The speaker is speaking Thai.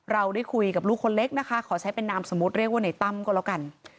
เราได้คุยกับลูกคนเล็กนะคะขอใช้เป็นนามสมมุติเรียกว่าในตั้มก็แล้วกัน